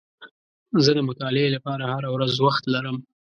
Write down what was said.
زه د مطالعې لپاره هره ورځ وخت لرم.